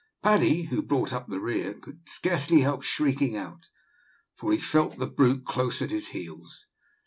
Paddy, who brought up the rear, could scarcely help shrieking out, for he felt the brute close at his heels.